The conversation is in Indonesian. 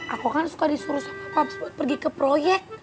aku kan suka disuruh sama pubs buat pergi ke proyek